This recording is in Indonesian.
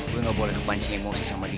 gue gak boleh kepancing emosi sama dia